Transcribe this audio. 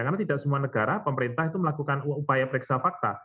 karena tidak semua negara pemerintah itu melakukan upaya periksa fakta